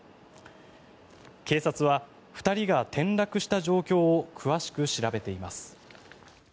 警察は２人が転落した状況を詳しく調べています。